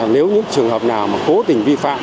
nếu những trường hợp nào mà cố tình vi phạm